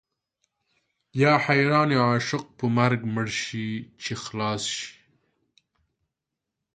یا حیران عاشق په مرګ مړ شي چې خلاص شي.